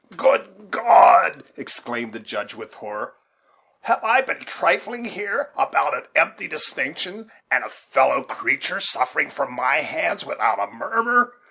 "Good God!" exclaimed the Judge, with horror; "have I been trifling here about an empty distinction, and a fellow creature suffering from my hands without a murmur?